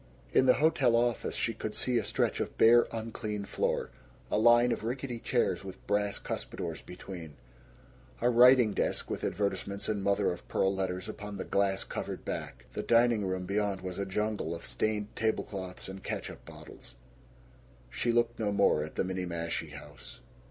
In the hotel office she could see a stretch of bare unclean floor, a line of rickety chairs with brass cuspidors between, a writing desk with advertisements in mother of pearl letters upon the glass covered back. The dining room beyond was a jungle of stained table cloths and catsup bottles. She looked no more at the Minniemashie House.